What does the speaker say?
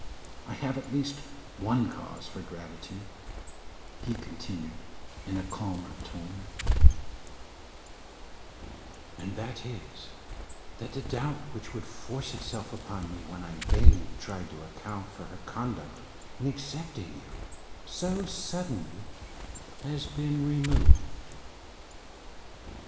I have at least one cause for gratitude," he continued, in a calmer tone, "and that is, that the doubt which would force itself upon me when I vainly tried to account for her conduct in accepting you so suddenly has been removed."